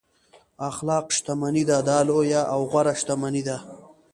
اخلاق شتمني ده دا لویه او غوره شتمني ده.